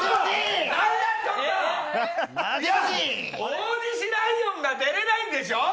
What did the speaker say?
大西ライオンが出れないんでしょ？